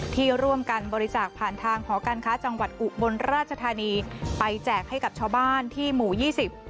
ที่ร่วมกันบริจาคผ่านทางหอการค้าจังหวัดอุบลราชธานีไปแจกให้กับชาวบ้านที่หมู่ยี่สิบ